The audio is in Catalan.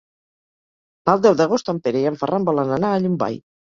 El deu d'agost en Pere i en Ferran volen anar a Llombai.